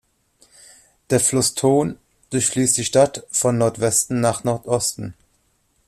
Der Fluss Tone durchfließt die Stadt von Nordwesten nach Nordosten.